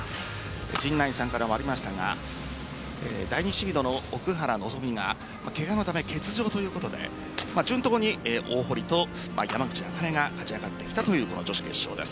陣内さんからもありましたが第２シードの奥原希望がケガのため欠場ということで順当に大堀と山口茜が勝ち上がってきたという女子決勝です。